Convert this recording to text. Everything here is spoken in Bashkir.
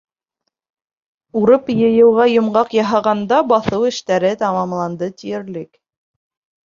Урып йыйыуға йомғаҡ яһағанда, баҫыу эштәре тамамланды тиерлек.